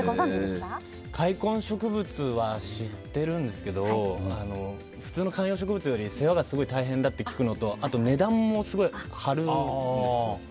塊根植物は知っているんですけど普通の観葉植物よりも世話がすごい大変だと聞くのとあと値段も張るんですよ。